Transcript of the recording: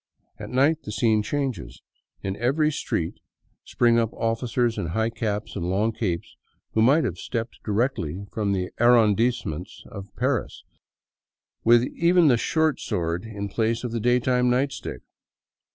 At night the scene changes. In every street spring 30 THE CLOISTERED CITY up officers in high caps and long capes who might have stepped directly from the arrondissements of Paris, with even the short sword in place of the daytime night stick."